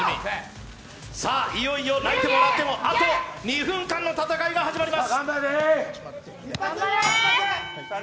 いよいよ泣いても笑っても、あと２分間の戦いが始まります。